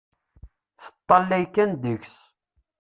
Teṭṭalay kan deg-s.